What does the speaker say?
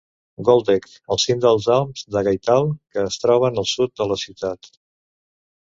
Goldeck, el cim dels Alps de Gailtal que es troben al sud de la ciutat.